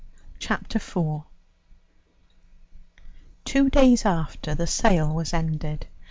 Chapter IV Two days after, the sale was ended.